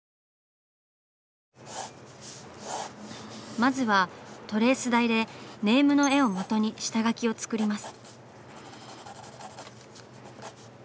まずはトレース台でネームの絵をもとに下描きを作ります。